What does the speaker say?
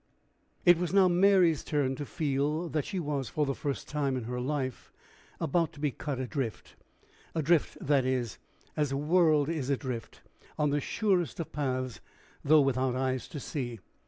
It was now Mary's turn to feel that she was, for the first time in her life, about to be cut adrift adrift, that is, as a world is adrift, on the surest of paths, though without eyes to see.